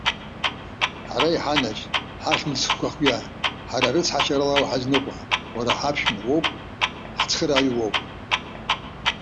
Ҳара иҳанажь, ҳахьымӡӷқәа хҩа, ҳара рыцҳашьарала уҳазныҟәа! Уара ҳаԥшәма уоуп, ҳацхырааҩ уоуп.